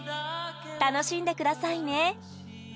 楽しんでくださいね。